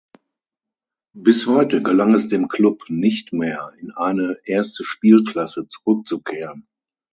Bis heute gelang es dem Klub nicht mehr in eine erste Spielklasse zurückzukehren.